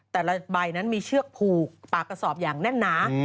แต่ละใบนั้นมีเชือกผูกปากกระสอบอย่างแน่นหนา